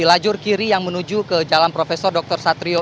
lajur kiri yang menuju ke jalan prof dr satrio